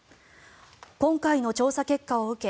今回の調査結果を受け